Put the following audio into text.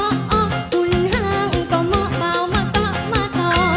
อ๋อหุ่นห้างก็เหมาะเบามาเต๋อมาเต๋อ